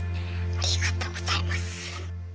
ありがとうございます。